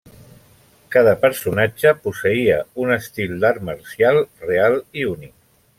Cada personatge posseïa un estil d'art marcial real i únic.